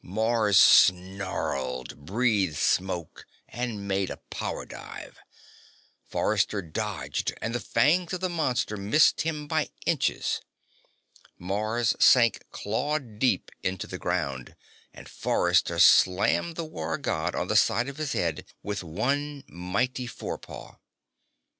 Mars snarled, breathed smoke and made a power dive. Forrester dodged and the fangs of the monster missed him by inches. Mars sank claw deep into the ground, and Forrester slammed the War God on the side of his head with one mighty forepaw.